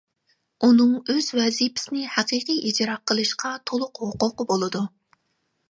ئۇنىڭ ئۆز ۋەزىپىسىنى ھەقىقىي ئىجرا قىلىشقا تولۇق ھوقۇقى بولىدۇ.